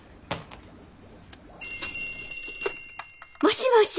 ☎もしもし？